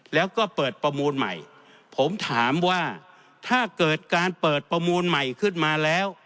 แล้วก็เปิดประมูลใหม่ผมถามว่าถ้าเกิดการเปิดประมูลใหม่ขึ้นมาแล้ว